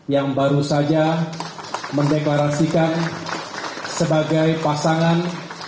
yang baru saja mendeklarasikan sebagai pasangan